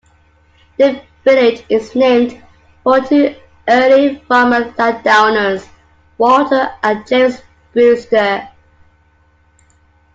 The village is named for two early farmer landowners, Walter and James Brewster.